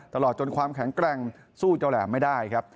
ตลอดจนความแข็งแกร่งสู้เจ้าแหลมไม่ได้ครับ